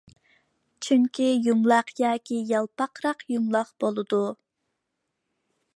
كۆپىنچە يۇمىلاق ياكى يالپاقراق يۇمىلاق بولىدۇ.